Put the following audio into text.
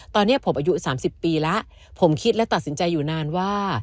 ตอนนี้ผมอายุ๓๐ปีแล้วผมคิดและตัดสินใจอยู่นานว่า